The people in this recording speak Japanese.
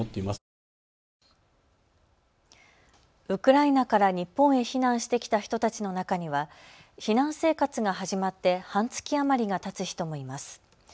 ウクライナから日本へ避難してきた人たちの中には避難生活が始まって半月余りがたつ人もいます。